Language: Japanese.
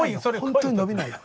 本当に伸びないよ。